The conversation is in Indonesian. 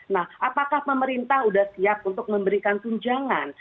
nah apakah pemerintah sudah siap untuk memberikan tunjangan